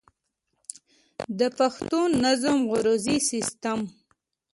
د پښتو نظم عروضي سيسټم